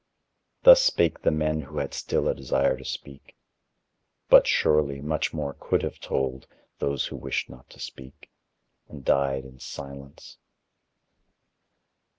Thus spake the men who had still a desire to speak. But, surely, much more could have told those who wished not to speak, and died in silence.